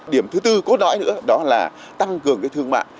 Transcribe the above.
điểm thứ tư cốt nõi nữa đó là tăng cường thương mạng